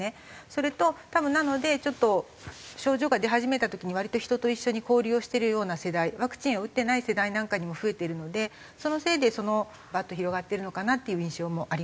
それと多分なのでちょっと症状が出始めた時に割と人と一緒に交流をしてるような世代ワクチンを打ってない世代なんかにも増えてるのでそのせいでバーッと広がってるのかなっていう印象もあります。